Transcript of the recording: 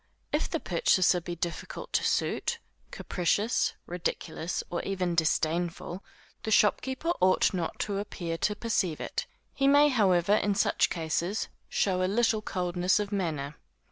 If the purchaser be difficult to suit, capricious, ridiculous, or even disdainful, the shopkeeper ought not to appear to perceive it; he may however in such cases, show a little coldness of manner.